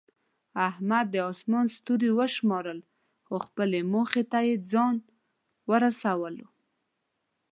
احمد د اسمان ستوري وشمارل، خو خپلې موخې ته یې ځان ورسولو.